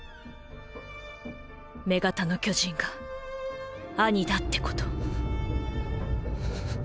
女型の巨人がアニだってこと。